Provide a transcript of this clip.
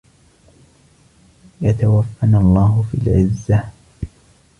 يتوفنا الله في العزه.